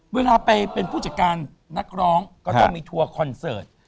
เวลาไปเป็นผู้จัดการนักร้องก็ต้องมีทัวร์คอนเสิร์ต